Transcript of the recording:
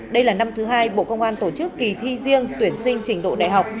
đây là năm thứ hai bộ công an tổ chức kỳ thi riêng tuyển sinh trình độ đại học